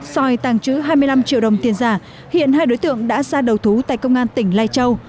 soi tàng trữ hai mươi năm triệu đồng tiền giả hiện hai đối tượng đã ra đầu thú tại công an tỉnh lai châu